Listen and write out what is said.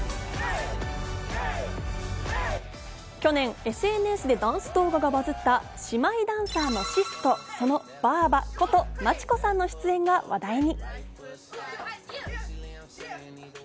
去年ＳＮＳでダンス動画がバズった姉妹ダンサー・ＳＩＳとそのばあばこと町子さんの出演が話題に。